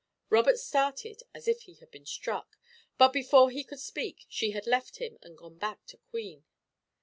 Robert started as if he had been struck, but before he could speak, she had left him and gone back to Queen.